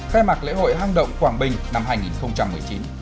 khai mạc lễ hội hang động quảng bình năm hai nghìn một mươi chín